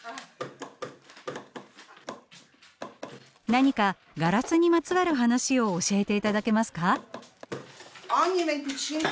何かガラスにまつわる話を教えて頂けますか。